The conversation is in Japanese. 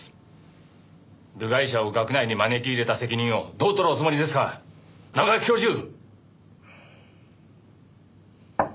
部外者を学内に招き入れた責任をどう取るおつもりですか中垣教授！